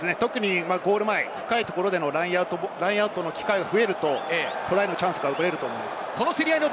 ゴール前、深いところでのラインアウトの機会が増えると、トライのチャンスが生まれると思います。